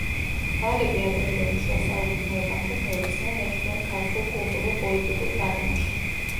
დვალები ადრინდელი შუა საუკუნეებამდე მოექცნენ ერთიან ქართულ კულტურულ-პოლიტიკურ გარემოში.